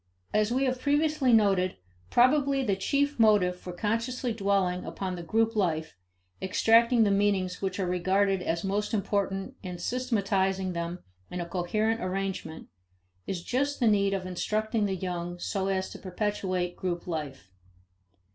As we have previously noted, probably the chief motive for consciously dwelling upon the group life, extracting the meanings which are regarded as most important and systematizing them in a coherent arrangement, is just the need of instructing the young so as to perpetuate group life.